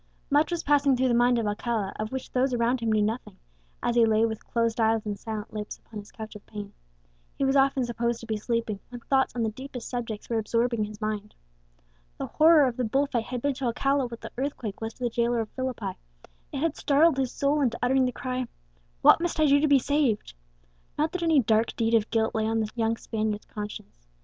Much was passing through the mind of Alcala of which those around him knew nothing, as he lay with closed eyes and silent lips upon his couch of pain. He was often supposed to be sleeping, when thoughts on the deepest subjects were absorbing his mind. The horror of the bull fight had been to Alcala what the earthquake was to the jailer of Philippi; it had startled his soul into uttering the cry, "What must I do to be saved?" Not that any dark deed of guilt lay on the young Spaniard's conscience.